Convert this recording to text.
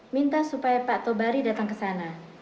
minta supaya pak tobari datang ke sana